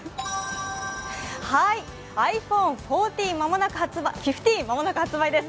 ｉＰｈｏｎｅ１５、間もなく発売です。